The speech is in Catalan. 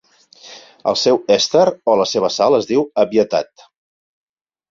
El seu èster o la seva sal es diu "abietat".